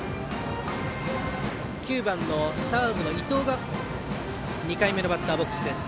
９番のサードの伊藤が２回目のバッターボックスです。